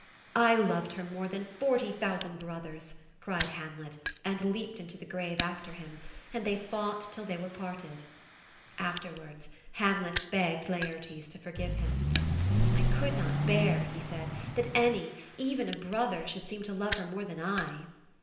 "I loved her more than forty thousand brothers," cried Hamlet^ and leaped into the grave after him, and they fought till they were parted. Afterwards Hamlet begged Laertes to forgive him. "I c^uld not bear," he said, "that any, even a brother, should seem to love her more than I."